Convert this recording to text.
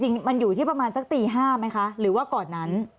จริงมันอยู่ที่ประมาณสักตี๕ไหมคะหรือว่าก่อนนั้น